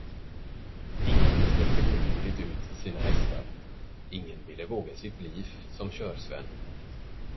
Ingen släppte godvilligt ut sina hästar, ingen ville våga sitt lif som körsven.